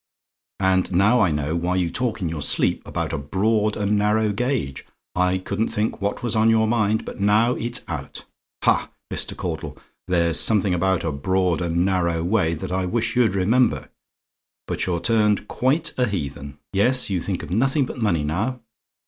"And now I know why you talk in your sleep about a broad and narrow gauge! I couldn't think what was on your mind but now it's out. Ha! Mr. Caudle, there's something about a broad and narrow way that I wish you'd remember but you're turned quite a heathen: yes, you think of nothing but money now.